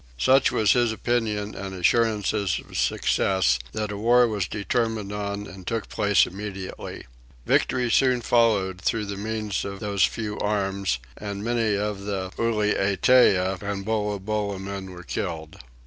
Such was his opinion and assurances of success that a war was determined on and took place immediately. Victory soon followed through the means of those few arms and many of the Ulietea and Bolabola men were killed.